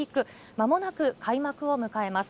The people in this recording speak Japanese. まもなく開幕を迎えます。